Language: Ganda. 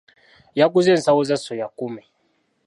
Yaguze ensawo za ssoya kkumi.